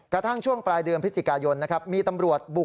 กระทั่งช่วงปลายเดือนพฤศกายนต์นะครับ